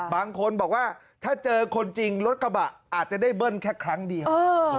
บางคนบอกว่าถ้าเจอคนจริงรถกระบะอาจจะได้เบิ้ลแค่ครั้งเดียว